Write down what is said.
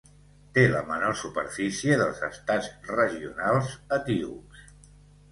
Té la menor superfície dels estats regionals etíops.